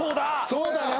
そうだな！